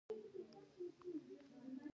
پکورې د میلې د خندا یوه برخه ده